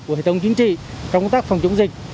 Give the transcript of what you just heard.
của hệ thống chính trị trong công tác phòng chống dịch